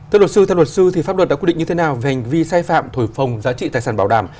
thưa luật sư thưa luật sư thì pháp luật đã quy định như thế nào về hành vi sai phạm thổi phồng giá trị tài sản bảo đảm